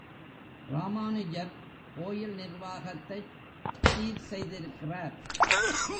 ராமானுஜர், கோயில் நிர்வாகத்தைச் சீர்செய்திருக்கிறார்.